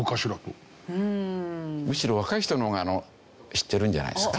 むしろ若い人の方が知ってるんじゃないですか？